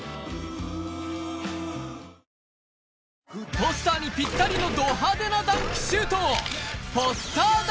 ポスターにピッタリのド派手なダンクシュート